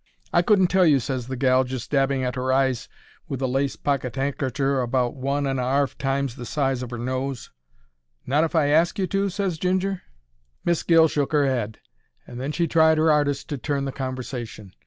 "I couldn't tell you," ses the gal, just dabbing at'er eyes—with a lace pocket 'ankercher about one and a 'arf times the size of 'er nose. "Not if I ask you to?" ses Ginger. Miss Gill shook 'er 'ead, and then she tried her 'ardest to turn the conversation.